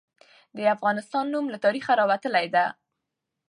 د افغانستان نوم له تاریخه راوتلي ده.